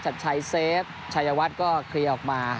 จัดใช้เซฟชัยวัฒน์ก็เคลียร์ออกมา